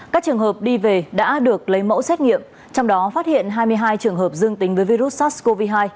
các trường hợp đi về đã được lấy mẫu xét nghiệm trong đó phát hiện hai mươi hai trường hợp dương tính với virus sars cov hai